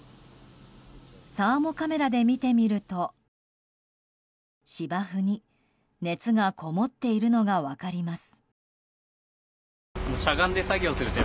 サーモカメラで見てみると芝生に熱がこもっているのが分かります。